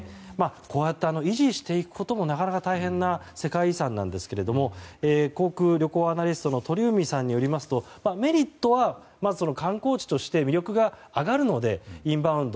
こうやって維持していくこともなかなか大変な世界遺産ですが航空・旅行アナリストの鳥海さんによりますとメリットは、まず観光地として魅力が上がるのでインバウンド、